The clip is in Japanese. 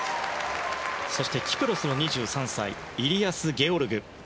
そしてキプロスの２３歳イリアス・ゲオルグ。